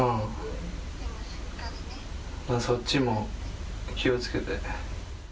そっちも気をつけて。